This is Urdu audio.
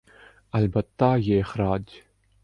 البتہ یہ اخراج